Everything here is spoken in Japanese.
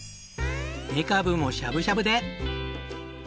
めかぶもしゃぶしゃぶで。